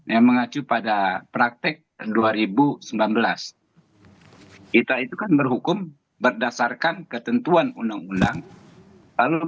yang mengacu pada praktek dua ribu sembilan belas kita itu kan berhukum berdasarkan ketentuan undang undang lalu